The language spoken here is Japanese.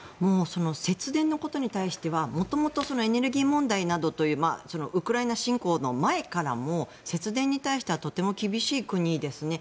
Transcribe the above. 節電のことに対しては元々エネルギー問題などというウクライナ侵攻の前からも節電に対してはとても厳しい国ですね。